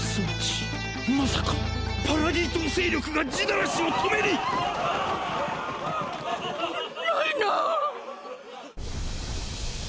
まさか⁉パラディ島勢力が「地鳴らし」を止めに⁉ライナー！！